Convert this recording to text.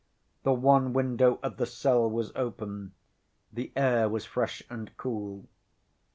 The one window of the cell was open, the air was fresh and cool.